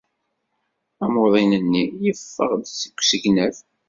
Amuḍin-nni yeffeɣ-d seg usegnaf.